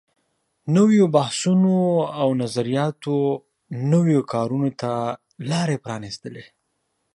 نويو بحثونو او نظریاتو نویو کارونو ته لارې پرانیستلې.